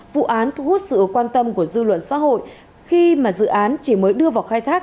vụ án thu hút sự quan tâm của dư luận xã hội khi mà dự án chỉ mới đưa vào khai thác